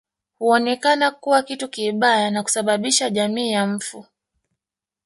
Huonekana kuwa kitu kibaya na kusababisha jamii ya mfu